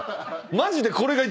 マジで。